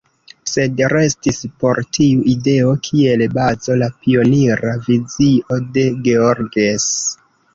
Sed restis por tiu ideo kiel bazo la pionira vizio de Georges.